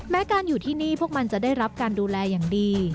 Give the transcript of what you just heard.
การอยู่ที่นี่พวกมันจะได้รับการดูแลอย่างดี